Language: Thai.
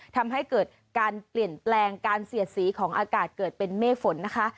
ทำให้เกิดการเปลี่ยนแปลงการเสียดสีของอากาศเกิดเป็นเมฆฝนนะคะ